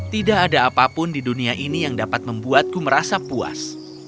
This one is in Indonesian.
tidak ada apapun di dunia ini yang dapat membuatku merasa puas